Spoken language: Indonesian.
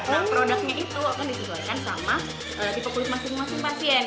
nah produknya itu akan disesuaikan sama tipe kulit masing masing pasien